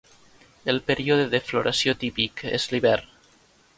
El període de floració típic és l'hivern.